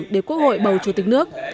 để quốc hội bầu chủ tịch nước